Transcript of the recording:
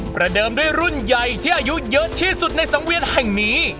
ประเดิมด้วยรุ่นใหญ่ที่อายุเยอะที่สุดในสังเวียนแห่งนี้